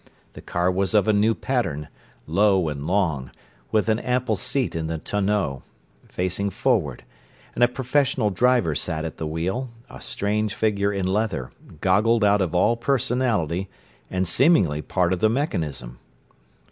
The car was of a new pattern, low and long, with an ample seat in the tonneau, facing forward; and a professional driver sat at the wheel, a strange figure in leather, goggled out of all personality and seemingly part of the mechanism.